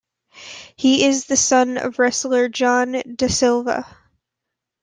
He is the son of wrestler John da Silva.